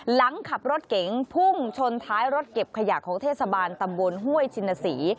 หลังขับรถเก๋งพุ่งชนท้ายรถเก็บขยะของเทศบาลตำบลห้วยชินศรี